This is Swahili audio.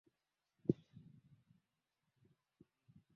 Kabla ya kutengenezwa shuka wamasai wengi walikuwa wanavaa ngozi za wanyama